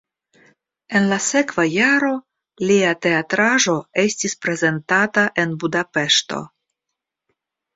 En la sekva jaro lia teatraĵo estis prezentata en Budapeŝto.